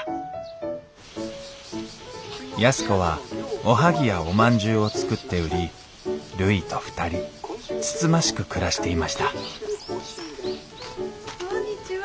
安子はおはぎやおまんじゅうを作って売りるいと２人つつましく暮らしていましたこんにちは。